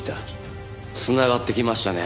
繋がってきましたね。